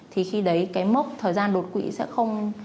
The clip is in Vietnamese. thì khi đấy cái mốc thời gian đột quỵ sẽ không